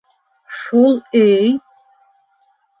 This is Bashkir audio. Шул өй...